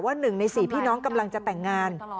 ว่าหนึ่งในสี่พี่น้องกำลังจะแต่งงาน